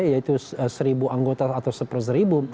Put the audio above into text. ya itu seribu anggota atau seperzeribu